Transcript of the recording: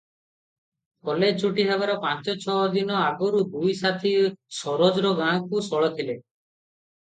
College ଛୁଟି ହେବାର ପାଞ୍ଚଛଅ ଦିନ ଆଗରୁ ଦୁଇ ସାଥୀ ସରୋଜର ଗାଁକୁ ସଳଖିଲେ ।